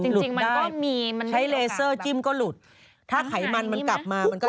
หลุดได้ใช้เลเซอร์จิ้มก็หลุดถ้าไขมันมันกลับมามันก็เด้นจาก